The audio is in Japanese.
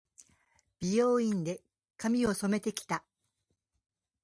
美容院で、髪を染めて来た。